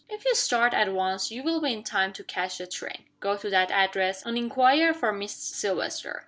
"If you start at once you will be in time to catch the train. Go to that address, and inquire for Miss Silvester.